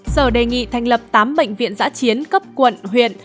sở đề nghị thành lập tám bệnh viện giã chiến cấp quận huyện